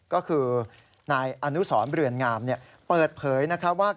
ก็คือนายอนุสรเรือนงามเปิดเผยนะคะว่า